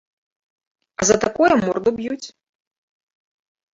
А за такое морду б'юць.